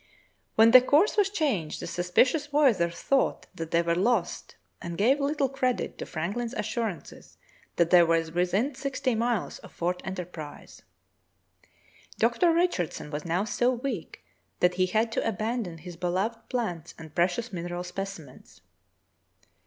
When the course was changed the suspicious voyageurs thought that they were lost, and gave little credit to Franklin's assurances that they were within sixty miles of Fort Enterprise. Dr. Richardson was now so weak that he had to abandon his beloved plants and precious mineral specimens.